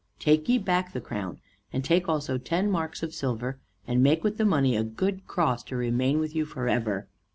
Take ye back the crown, and take also ten marks of silver, and make with the money a good cross, to remain with you forever.